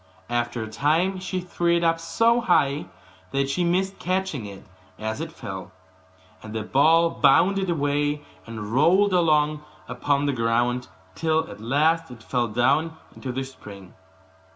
After a time she threw it up so high that she missed catching it as it fell; and the ball bounded away, and rolled along upon the ground, till at last it fell down into the spring.